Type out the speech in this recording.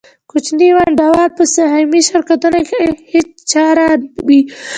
کوچني ونډه وال په سهامي شرکتونو کې هېڅکاره وي